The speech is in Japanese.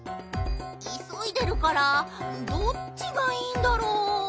いそいでるからどっちがいいんだろう。